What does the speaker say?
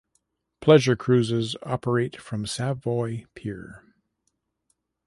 Pleasure cruises operate from Savoy Pier.